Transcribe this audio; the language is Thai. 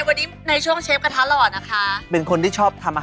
เนี่ยชื่อซีซาวครับ